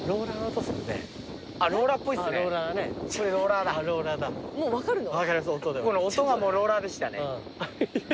ローラーでした。